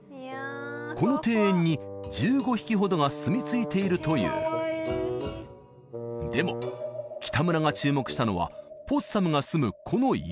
この庭園に１５匹ほどがすみ着いているというでも北村が注目したのはポッサムがすむこの岩